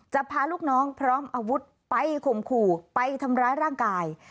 พาลูกน้องพร้อมอาวุธไปข่มขู่ไปทำร้ายร่างกาย